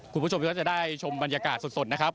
คุณผู้ชมก็จะได้ชมบรรยากาศสดนะครับ